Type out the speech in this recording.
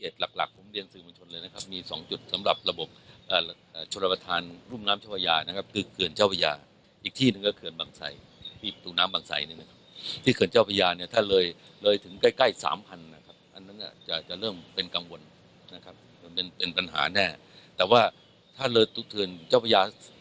แต่ว่าถ้าเลิศทุกเทือนเจ้าประยาถึงใกล้๓๐๐๐เนี่ย